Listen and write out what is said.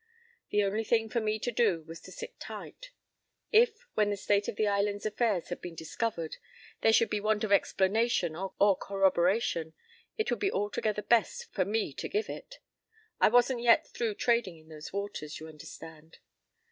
p> The only thing for me to do was to sit tight. If, when the state of the island's affairs had been discovered, there should be want of explanation or corroboration, it would be altogether best for me to give it. I wasn't yet through trading in those waters, you understand.